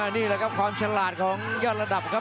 นี่แหละครับความฉลาดของยอดระดับครับ